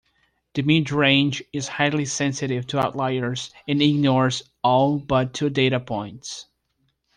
The midrange is highly sensitive to outliers and ignores all but two data points.